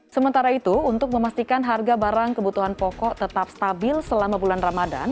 sementara itu untuk memastikan harga barang kebutuhan pokok tetap stabil selama bulan ramadan